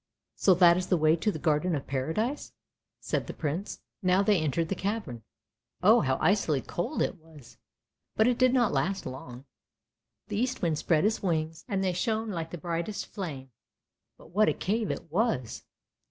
" So that is the way to the Garden of Paradise! " said the Prince. Now they entered the cavern. Oh, how icily cold it was, but it did not last long. The Eastwind spread his wings, and they shone like the brightest flame; but what a cave it was!